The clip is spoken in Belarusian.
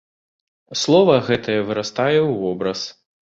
Слова гэтае вырастае ў вобраз.